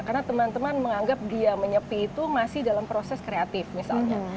karena teman teman menganggap dia menyepi itu masih dalam proses kreatif misalnya